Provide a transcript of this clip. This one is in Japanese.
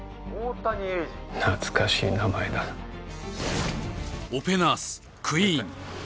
懐かしい名前だオペナースクイーン